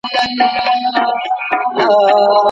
که ښوونکی بې حوصلې وي نو ماشومان څه نسي پوښتلی.